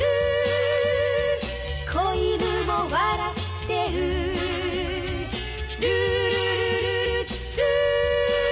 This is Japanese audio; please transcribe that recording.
「小犬も笑ってる」「ルールルルルルー」